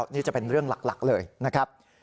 นี่จะเป็นเรื่องหลักเลยนะครับ